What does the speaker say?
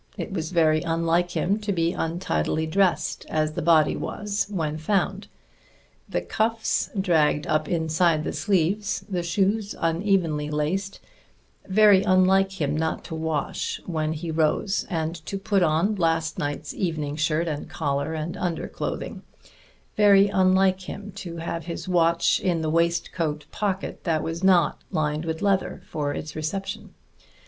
It was very unlike him to be untidily dressed, as the body was when found the cuffs dragged up inside the sleeves, the shoes unevenly laced; very unlike him not to wash, when he rose, and to put on last night's evening shirt and collar and underclothing; very unlike him to have his watch in the waistcoat pocket that was not lined with leather for its reception.